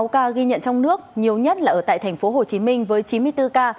một trăm bốn mươi sáu ca ghi nhận trong nước nhiều nhất là ở thành phố hồ chí minh với chín mươi bốn ca